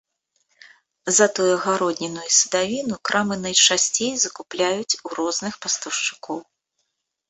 Затое гародніну і садавіну крамы найчасцей закупляюць у розных пастаўшчыкоў.